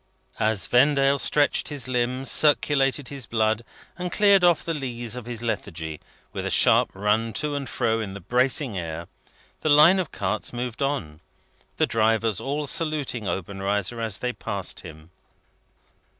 As Vendale stretched his limbs, circulated his blood, and cleared off the lees of his lethargy, with a sharp run to and fro in the bracing air, the line of carts moved on: the drivers all saluting Obenreizer as they passed him.